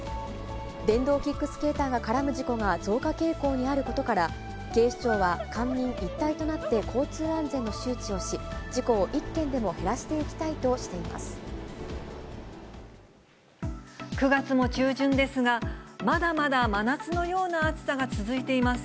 電動キックスケーターが絡む事故が増加傾向にあることから、警視庁は官民一体となって交通安全の周知をし、事故を一件でも減９月も中旬ですが、まだまだ真夏のような暑さが続いています。